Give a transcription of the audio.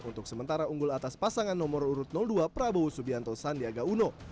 untuk sementara unggul atas pasangan nomor urut dua prabowo subianto sandiaga uno